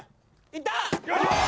いった！